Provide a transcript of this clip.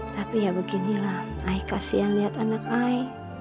tapi ya beginilah ai kasihan liat anak ai